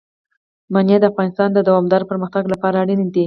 منی د افغانستان د دوامداره پرمختګ لپاره اړین دي.